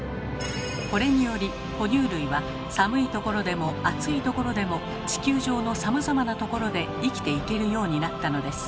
これにより哺乳類は寒いところでも暑いところでも地球上のさまざまなところで生きていけるようになったのです。